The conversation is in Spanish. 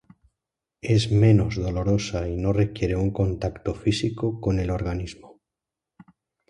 Es menos dolorosa y no requiere un contacto físico con el organismo.